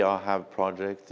vậy thì theo anh